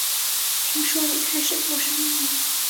听说你开始做生意了